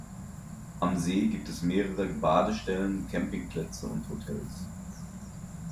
Am See gibt es mehrere Badestellen, Campingplätze und Hotels.